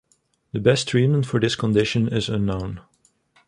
The best treatment for this condition is unknown.